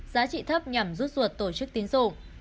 giá trị thấp nhằm rút ruột tổ chức tín dụng